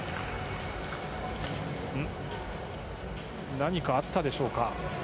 何かあったでしょうか。